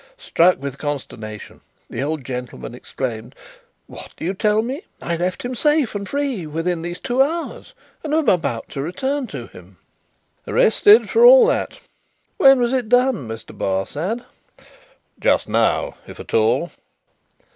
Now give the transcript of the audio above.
Struck with consternation, the old gentleman exclaimed, "What do you tell me! I left him safe and free within these two hours, and am about to return to him!" "Arrested for all that. When was it done, Mr. Barsad?" "Just now, if at all."